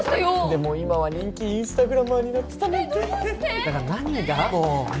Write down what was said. でも今は人気インスタグラマーになってたなんてえっどうして？